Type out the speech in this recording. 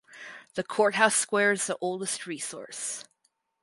The courthouse square is the oldest resource.